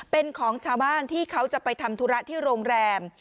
เป็นของชาวบ้านที่เขาจะไปทำธุระที่โรงแรม